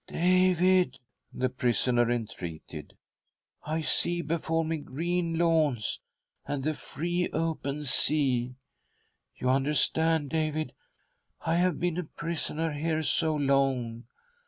" David," the prisoner entreated, " I see before ■ me green lawns and the free, open sea. You understand, David— I have been a prisoner here so long